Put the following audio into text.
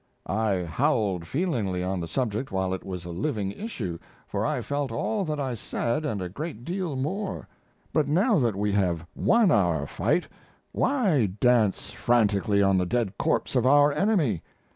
I howled feelingly on the subject while it was a living issue, for I felt all that I said and a great deal more; but now that we have won our fight why dance frantically on the dead corpse of our enemy?